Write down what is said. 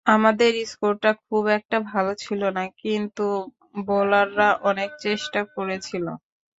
আমাদের স্কোরটা খুব একটা ভালো ছিল না, কিন্তু বোলাররা অনেক চেষ্টা করেছিল।